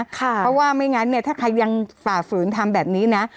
เพราะว่าไม่งั้นเนี่ยถ้าใครยังฝ่าฝืนทำแบบนี้นะ